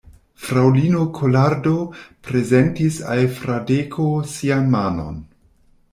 Fraŭlino Kolardo prezentis al Fradeko sian manon.